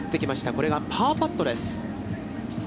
これがパーパットです。